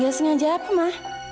gak sengaja apa ma